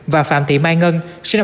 và phạm thị mai ngân